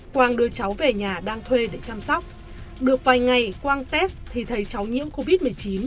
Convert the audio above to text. quang đưa cháu về nhà đang thuê để chăm sóc được vài ngày quang test thì thấy cháu nhiễm covid một mươi chín